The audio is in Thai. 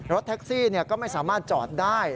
รถแท็กซี่ก็ไม่สามารถจอดได้